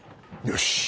よし。